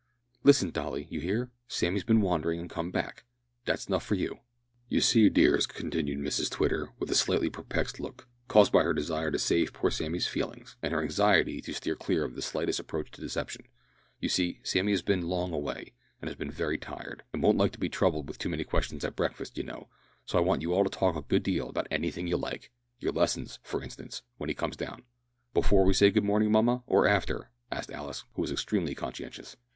"Listen, Dolly, you hear? Sammy's been wandering an' come back. Dat's 'nuff for you." "You see, dears," continued Mrs Twitter, with a slightly perplexed look, caused by her desire to save poor Sammy's feelings, and her anxiety to steer clear of the slightest approach to deception, "you see, Sammy has been long away, and has been very tired, and won't like to be troubled with too many questions at breakfast, you know, so I want you all to talk a good deal about anything you like your lessons, for instance, when he comes down." "Before we say good morning, mamma, or after?" asked Alice, who was extremely conscientious.